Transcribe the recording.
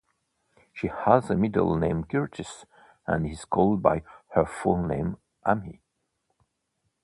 She has the middle name Curtis, and is called by her full name, Amy.